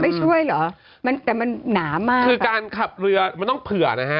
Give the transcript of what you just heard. ช่วยเหรอมันแต่มันหนามากคือการขับเรือมันต้องเผื่อนะฮะ